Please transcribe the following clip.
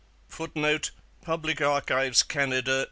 [Footnote: Public Archives, Canada.